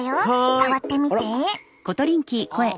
触ってみて！